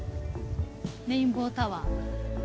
レインボータワー。